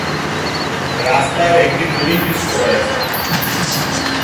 রাস্তার একটি নুড়ি পৃষ্ঠ রয়েছে।